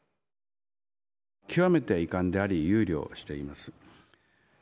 極めて遺憾であり、憂慮しています。